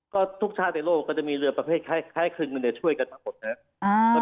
ก็ทุกชาติในโลกก็จะมีเรือประเภทคล้ายครึ่งหนึ่งช่วยกันทั้งหมดนะครับ